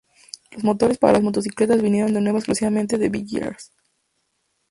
Los motores para las motocicletas vinieron de nuevo exclusivamente de Villiers.